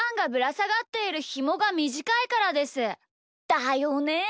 だよね！